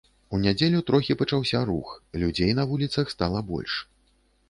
У нядзелю трохі пачаўся рух, людзей на вуліцах стала больш.